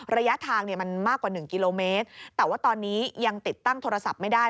ระยะทางเนี่ยมันมากกว่า๑กิโลเมตรแต่ว่าตอนนี้ยังติดตั้งโทรศัพท์ไม่ได้